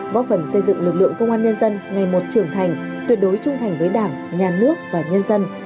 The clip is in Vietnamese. góp phần xây dựng lực lượng công an nhân dân ngày một trưởng thành tuyệt đối trung thành với đảng nhà nước và nhân dân